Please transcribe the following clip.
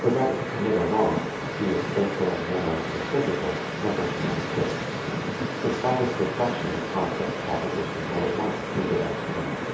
The right to commit a wrong, be it social, moral, or physical, never can exist; the slightest reflection upon such a proposition will at once prove it untenable.